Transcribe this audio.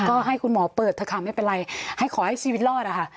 ก็ให้คุณหมอเปิดเถอะค่ะไม่เป็นไรให้ขอให้ชีวิตรอดอะค่ะ